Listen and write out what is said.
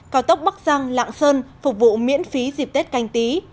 cao tốc bắc giang lạng sơn phục vụ miễn phí dịp tết canh tí